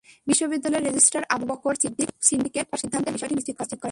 বিশ্ববিদ্যালয়ের registrar Abu Bakar Siddique syndicate সভার সিদ্ধান্তের বিষয়টি নিশ্চিত করেন।